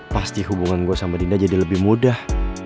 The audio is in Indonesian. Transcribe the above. pasti hubungan gue sama dinda jadi lebih mudah